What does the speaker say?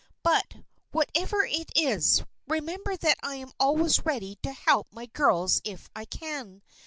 But, whatever it is, remember that I am always ready to help my girls if I can.